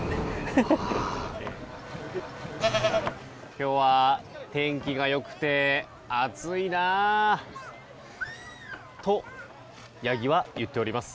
今日は天気が良くて暑いなとヤギは言っています。